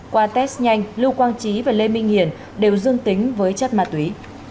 qua test nhanh lưu quang trí và lê minh hiền đều dương tính với chất ma túy